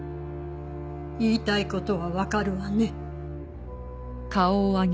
言いたい事はわかるわね？